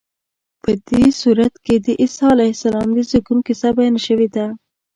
په دې سورت کې د عیسی علیه السلام د زېږون کیسه بیان شوې ده.